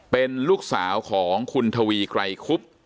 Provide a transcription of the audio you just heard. เป็นลูกสาวของคุณทวีไกรคุบ